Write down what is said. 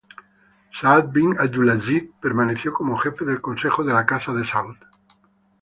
Saad bin Abdulaziz permaneció como jefe del consejo de la Casa de Saud.